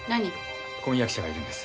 婚約者がいるんです。